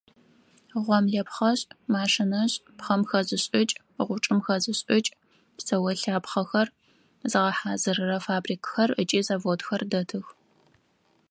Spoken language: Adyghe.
Гъомлэпхъэшӏ, машинэшӏ, пхъэм хэзышӏыкӏ, гъучӏым хэзышӏыкӏ, псэолъапхъэхэр зыгъэхьазырырэ фабрикхэр ыкӏи заводхэр дэтых.